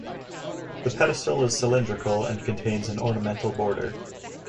The pedestal is cylindrical and contains an ornamental border.